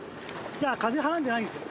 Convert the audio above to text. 風はらんでないんですよ。